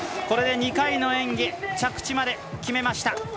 これで２回の演技を着地まで決めました。